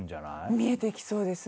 見えてきそうですね。